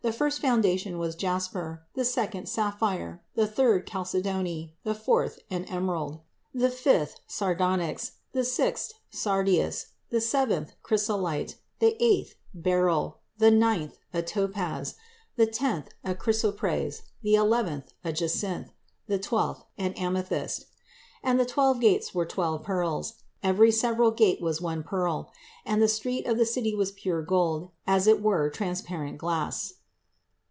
The first foundation was jasper; the second, sapphire; the third, a chalcedony; the fourth, an emerald; The fifth, sardonyx; the sixth, sardius; the seventh, chrysolite; the eighth, beryl; the ninth, a topaz; the tenth, a chrysoprasus; the eleventh, a jacinth; the twelfth, an amethyst. And the twelve gates were twelve pearls; every several gate was of one pearl: and the street of the city was pure gold, as it were transparent glass.